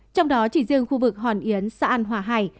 trong đó chỉ riêng khu vực hòn yến xã an hòa hải